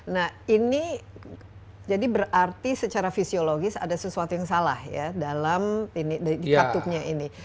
nah ini jadi berarti secara fisiologis ada sesuatu yang salah ya dalam di katuknya ini